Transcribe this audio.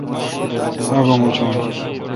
آگو مچون۔